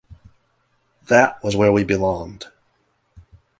That was where we belonged.